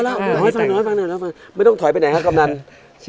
แล้วอู๋พี่หมายฟังหนูไม่ต้องถอยไปไหนนะครับกำนันน่ะ